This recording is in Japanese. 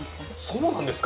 そうなんですか？